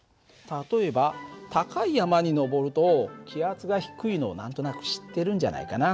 例えば高い山に登ると気圧が低いのを何となく知ってるんじゃないかな。